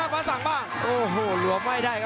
ความยาวมาก